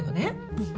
うん。